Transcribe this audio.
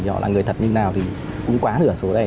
họ là người thật như nào thì cũng quá nửa số đây